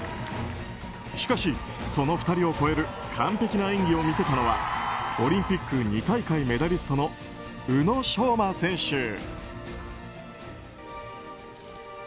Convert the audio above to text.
しかし、その２人を超える完璧な演技を見せたのはオリンピック２大会メダリストの宇野昌磨選手。